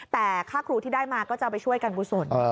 แต่ค่าครูที่ได้มาก็จะเอาไปช่วยกันกุศล